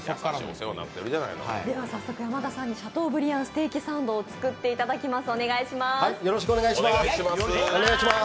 では早速山田さんにシャトーブリアンステーキサンドを作っていただきます、お願いします